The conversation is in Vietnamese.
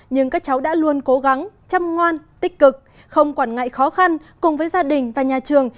nhưng các cháu đã luôn cố gắng chăm ngoan tích cực không quản ngại khó khăn cùng với gia đình và nhà trường